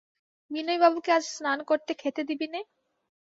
বিনয়বাবুকে আজ স্নান করতে খেতে দিবি নে?